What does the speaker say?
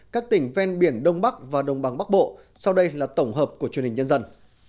các tỉnh ven biển đông bắc và đồng bằng bắc bộ sau đây là tổng hợp của truyền hình nhân dân